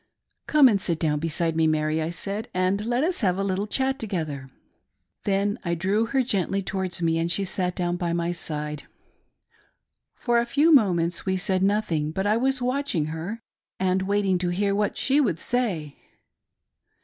" Come and sit down beside me, Mary," I said, " and let us have a little chat together." Then I drew her gently towards me, and she sat down by my side. For a few moments we said nothing, but I was watching her, and waiting to hear what she wfould say.